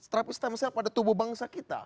terapi stem saya pada tubuh bangsa kita